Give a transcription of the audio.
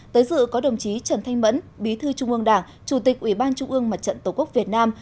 tới dự có đồng chí trần thanh mẫn bí thư trung ương đảng chủ tịch ủy ban trung ương mặt trận tổ quốc việt nam